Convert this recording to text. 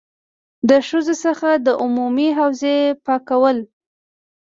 له ښځو څخه د عمومي حوزې پاکول.